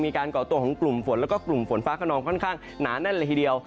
มีการก่อตัวของกลุ่มฝนกลุ่มฝนฟ้ากระนอมค่อนข้างนะนั่นเลยทีเดียว